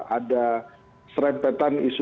ada serempetan isu